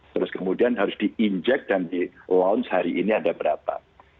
terus kemudian harus di inject dan di launch hari ini ada berapa